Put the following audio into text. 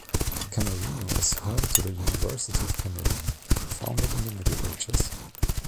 Camerino is home to the University of Camerino, founded in the Middle Ages.